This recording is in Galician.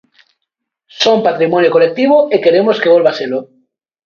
Son patrimonio colectivo e queremos que volva selo.